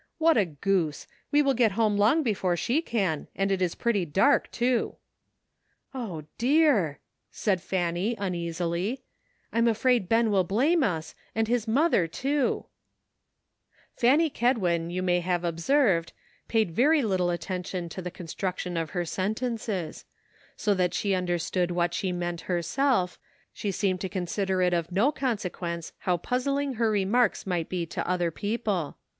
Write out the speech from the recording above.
What a goose ! we will get home long before she can, and it is pretty dark too." " O, dear !" said Fanny uneasily, " I'm afraid Ben will blame us, and his mother too." ''WHAT COULD HAPPEN?'' 67 Fanny Kedwin, you may have observed, paid very little attention to the construction of her sentences; so that she understood what she meant herself, she seemed to consider it of no consequence how puzzling her remarks might be to other people.